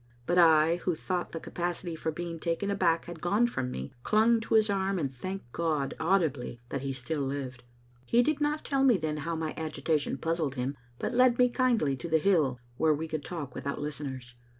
But I, who thought the capacity for being taken aback had gone from me, clung to his arm and thanked God audibly that he still lived. He did not tell me then, how my agitation puzzled him, but led me kindly to the hill, where we could talk without listeners.